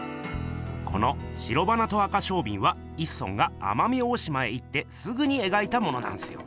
この「白花と赤翡翠」は一村が奄美大島へ行ってすぐにえがいたものなんすよ。